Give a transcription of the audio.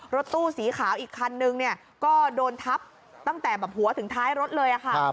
รถตู้สีขาวอีกคันนึงเนี่ยก็โดนทับตั้งแต่แบบหัวถึงท้ายรถเลยค่ะ